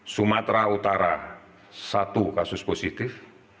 sumatera utara satu kasus positif